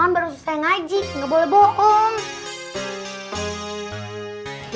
bohong aku kan baru selesai ngaji nggak boleh bohong aku kan baru selesai ngaji nggak boleh